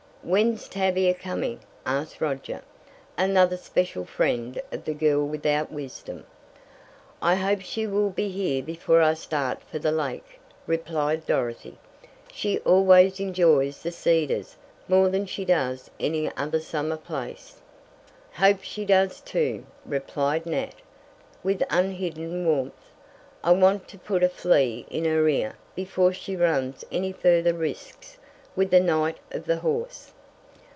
"When's Tavia coming?" asked Roger, another special friend of the girl without wisdom. "I hope she will be here before I start for the Lake," replied Dorothy. "She always enjoys the Cedars more than she does any other summer place." "Hope she does, too," replied Nat, with unhidden warmth. "I want to put a flea in her ear before she runs any further risks with the knight of the horse."